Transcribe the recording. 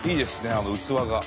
あの器が。